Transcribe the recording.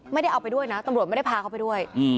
ไม่ได้เอาไปด้วยนะตำรวจไม่ได้พาเขาไปด้วย